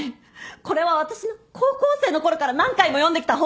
これは私が高校生のころから何回も読んできた本！